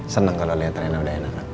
seneng kalo liat reina udah enak